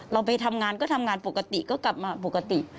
เราไปทำงานก็ทำงานปกติก็กลับมาปกติ